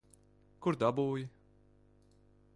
Kur dabūji?